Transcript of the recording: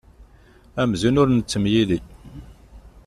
Amzun ur nettemyili.